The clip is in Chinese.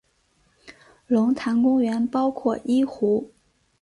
龙潭公园包括一湖。